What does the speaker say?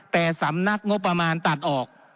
แต่สำนักงบประมาณตัดออก